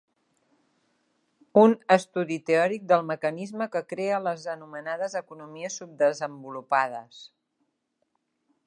Un estudi teòric del mecanisme que crea les anomenades economies subdesenvolupades.